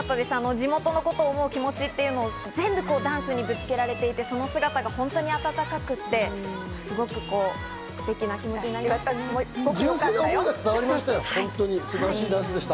地元のことを思う気持ちっていうのも全部ダンスにぶつけられていて、その姿が温かくて、すてきな気持素晴らしいダンスでした。